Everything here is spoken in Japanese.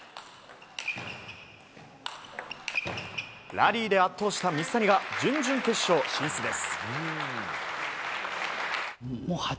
ラリーで圧倒した水谷が準々決勝進出です。